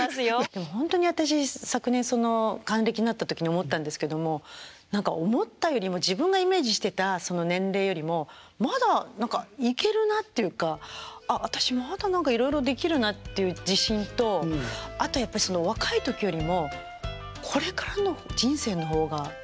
でもほんとに私昨年還暦になった時に思ったんですけども何か思ったよりも自分がイメージしてたその年齢よりもまだいけるなっていうかあっ私まだいろいろできるなっていう自信とあとやっぱりその若い時よりもこれからの人生の方が何かワクワク楽しいんですよ。